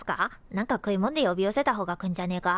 なんか食いもんで呼び寄せたほうが来んじゃねえか？